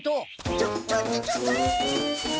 ちょっちょっとちょっとええ！